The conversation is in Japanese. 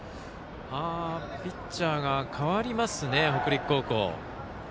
ピッチャーが代わりますね北陸高校。